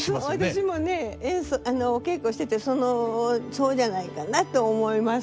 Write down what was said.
私もねお稽古しててそのそうじゃないかなと思います。